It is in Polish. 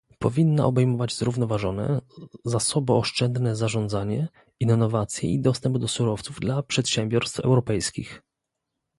Powinna obejmować zrównoważone, zasobooszczędne zarządzanie, innowacje i dostęp do surowców dla przedsiębiorstw europejskich